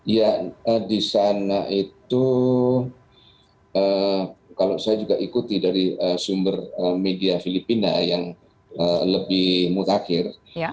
ya di sana itu kalau saya juga ikuti dari sumber media filipina yang lebih mutakhir